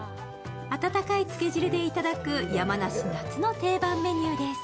温かいつけ汁でいただく山梨夏の定番メニューです。